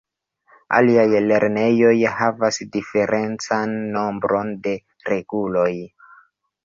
Aliaj lernejoj havas diferencan nombron de reguloj.